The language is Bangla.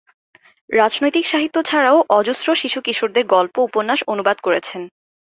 রাজনৈতিক সাহিত্য ছাড়াও অজস্র শিশু কিশোরদের গল্প, উপন্যাস অনুবাদ করেছেন।